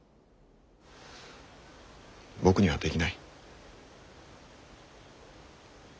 僕にはできない。